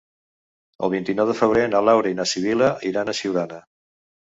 El vint-i-nou de febrer na Laura i na Sibil·la iran a Siurana.